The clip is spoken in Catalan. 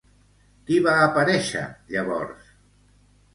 Qui va aparèixer llavors?